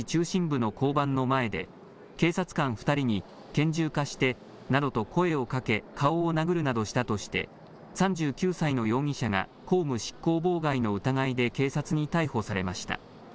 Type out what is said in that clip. ２日夕方、名古屋市中心部の交番の前で、警察官２人に、拳銃貸してなどと声をかけ、顔を殴るなどしたとして、３９歳の容疑者が公務執行妨害の疑いで警察に逮捕されました。